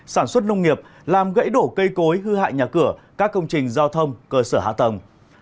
sản xuất nông nghiệp làm gãy đổ cây cối hư hại nhà cửa các công trình giao thông cơ sở hạ tầng